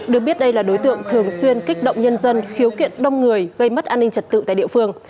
được biết đây là đối tượng thường xuyên kích động nhân dân khiếu kiện đông người gây mất an ninh trật tự tại địa phương